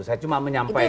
saya cuma menyampaikan